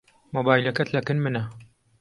مۆبایلەکەت لەکن منە.